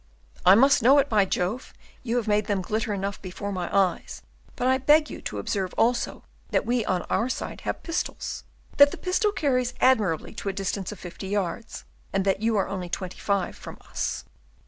"I must know it, by Jove, you have made them glitter enough before my eyes; but I beg you to observe also that we on our side have pistols, that the pistol carries admirably to a distance of fifty yards, and that you are only twenty five from us."